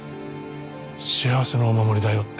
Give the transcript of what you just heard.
幸せのお守りだよって。